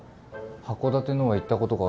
函館のは行ったことがあるんで。